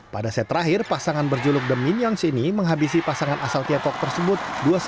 pada set terakhir pasangan berjuluk the minions ini menghabisi pasangan asal tiongkok tersebut dua satu